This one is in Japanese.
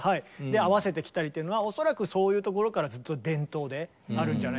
合わせて着たりっていうのは恐らくそういうところからずっと伝統であるんじゃないかなと思うんですけどもね。